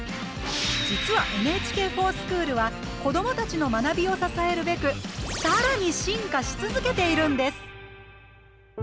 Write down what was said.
実は「ＮＨＫｆｏｒＳｃｈｏｏｌ」は子どもたちの学びを支えるべくさらに進化し続けているんです！